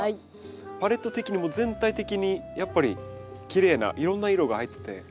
パレット的にも全体的にやっぱりきれいないろんな色が入ってて。